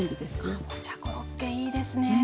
かぼちゃコロッケいいですね。